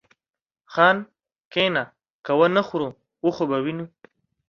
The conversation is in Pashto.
خان! کښينه که ونه خورو و خو به وينو.